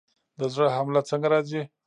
د زړه حمله څنګه راځي؟